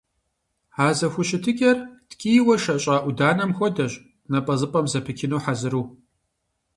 А зэхущытыкӀэр ткӀийуэ шэщӀа Ӏуданэм хуэдэщ, напӀэзыпӀэм зэпычыну хьэзыру.